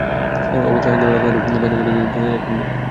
অবশ্য আইনশৃঙ্খলা রক্ষাকারী বাহিনী মনে করে, জামায়াতের আগের শক্তি এখন নেই।